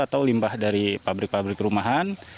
atau limbah dari pabrik pabrik rumahan